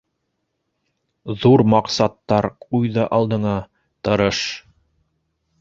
Ҙур маҡсаттар ҡуй ҙа алдыңа, тырыш!